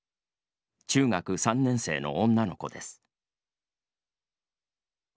中学３年生の女の子です。